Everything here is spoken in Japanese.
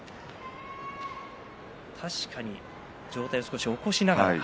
確かに上体を少し起こしながら。